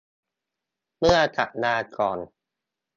เมื่อสัปดาห์ก่อน